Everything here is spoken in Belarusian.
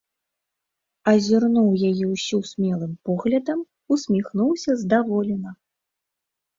Азірнуў яе ўсю смелым поглядам, усміхнуўся здаволена.